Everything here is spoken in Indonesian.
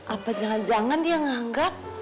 apa jangan jangan dia menganggap